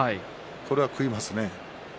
これは食いますね。